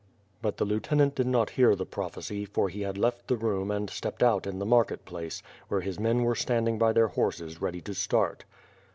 But the lieutenant did not hear the prophecy, for he had left the room and stepped out in the market place, where his men were standing by their horses ready to start.